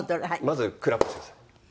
まずクラップしてください。